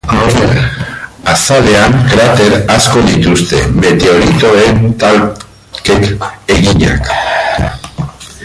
Azalean krater asko dituzte, meteoritoen talkek eginak.